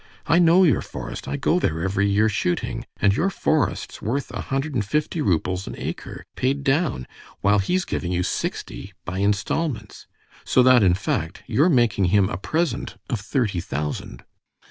I know your forest. I go there every year shooting, and your forest's worth a hundred and fifty roubles an acre paid down, while he's giving you sixty by installments. So that in fact you're making him a present of thirty thousand."